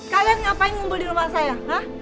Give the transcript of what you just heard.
kalian ngapain ngumpul di rumah saya